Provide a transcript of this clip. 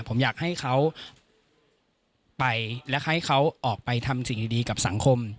ผมอยากให้เขาไปและให้เขาออกไปทำสิ่งดีกับสังคม